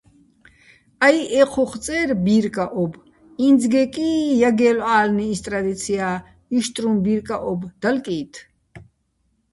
აი, ეჴუხ წე́რ ბი́რკაჸობ, ინცგეკი ჲაგე́ლო̆ ა́ლნი ის ტრადიცია́, იშტრუჼ ბი́რკაჸობ დალკი́თ.